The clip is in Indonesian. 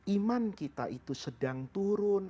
iman kita itu sedang turun